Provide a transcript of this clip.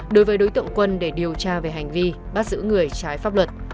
đối với đối tượng quân để điều tra về hành vi bắt giữ người trái pháp luật